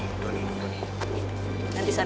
nanti saya boleh diambil ya pak